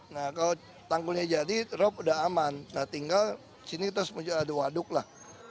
nah kalau tanggulnya jadi rob udah aman nah tinggal sini terus ada waduk lah